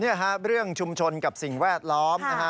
เนี่ยฮะเรื่องชุมชนกับสิ่งแวดล้อม